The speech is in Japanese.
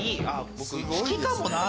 僕好きかもな。